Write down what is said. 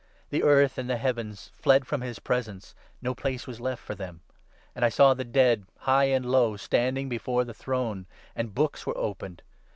' The earth and the heavens fled from his presence ; no place was left for them.' And I saw the dead, high and 12 low, standing before the throne ; and books were opened.